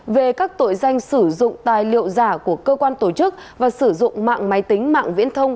về các tội danh sử dụng tài liệu giả của cơ quan tổ chức và sử dụng mạng máy tính mạng viễn thông